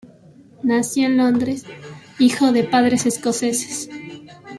Nació en Londres, hijo de padres escoceses.